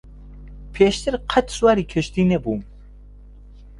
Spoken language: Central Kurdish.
پێشتر قەت سواری کەشتی نەبووم.